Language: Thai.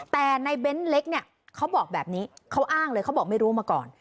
แต่ในเบนส์เล็กเขาอ้างเลยเขาบอกไม่รู้มาก่อน